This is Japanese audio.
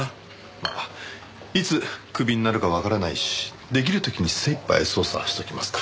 まあいつクビになるかわからないし出来る時に精いっぱい捜査しときますか。